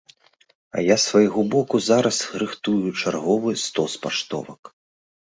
А я з свайго боку зараз рыхтую чарговы стос паштовак.